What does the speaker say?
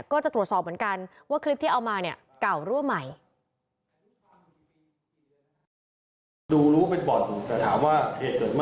ก็จะตรวจสอบเหมือนกันว่าคลิปที่เอามาเนี่ยเก่ารั่วใหม่